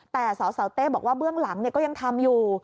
แต่สสเต้บอกว่าเบื้องหลังก็ยังทำอยู่